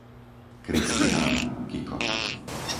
Kristián, Kiko